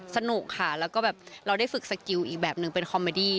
สนุกค่ะแล้วก็แบบเราได้ฝึกสกิลอีกแบบหนึ่งเป็นคอมเมดี้